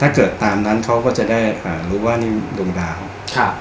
เกิดตามนั้นเขาก็จะได้อ่ารู้ว่านี่ดวงดาวครับ